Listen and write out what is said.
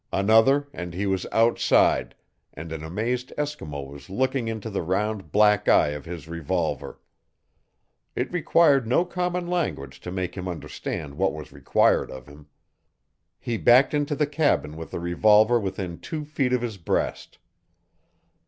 Another and he was outside, and an amazed Eskimo was looking into the round black eye of his revolver. It required no common language to make him understand what was required of him. He backed into the cabin with the revolver within two feet of his breast.